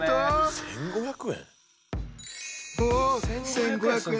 １，５００円！？